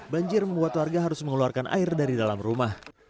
banjir membuat warga harus mengeluarkan air dari dalam rumah